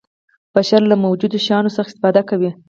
بشر له موجودو شیانو څخه استفاده کوي.